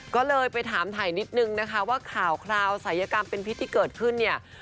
ก็เลยไปถามถ่ายนิดนึงนะคะว่าข่าวคราวสายกรรมเป็นพิษที่เกิดขึ้นเนี่ย